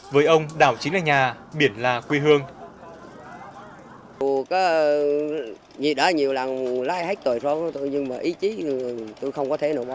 với ông đảo chính là nhà biển là quê hương